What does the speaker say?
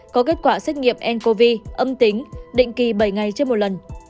có kết quả xét nghiệm ncov âm tính định kỳ bảy ngày trên một lần